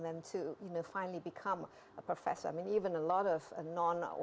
kita akan lanjutkan perbincangan bersama dr steven shou